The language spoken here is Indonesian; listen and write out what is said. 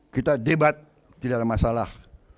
kita debat tidak ada masalah